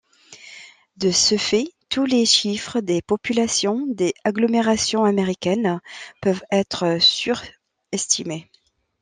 De ce fait tous les chiffres des populations des agglomérations américaines peuvent être surestimés.